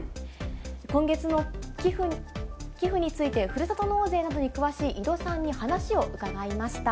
今月の寄付についてふるさと納税などに詳しい井戸さんに話を伺いました。